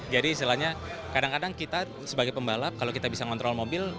jadi misalnya kadang kadang kita sebagai pembalap kalau kita bisa kontrol mobil